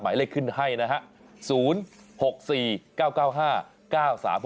หมายเลขขึ้นให้นะฮะ๐๖๔๙๙๕๙๓๖